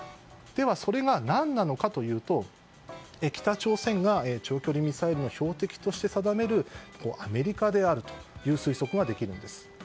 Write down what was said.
では、それが何なのかというと北朝鮮が長距離ミサイルの標的として定めるアメリカであるという推測ができるんです。